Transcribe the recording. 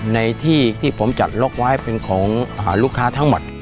ในที่ที่ผมจัดล็อกไว้เป็นของลูกค้าทั้งหมด